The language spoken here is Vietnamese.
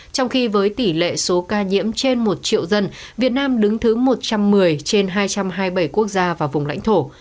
trong khi với tỷ lệ số ca nhiễm trên một triệu dân việt nam đứng thứ một trăm một mươi trên hai trăm hai mươi bảy quốc gia và vùng lãnh thổ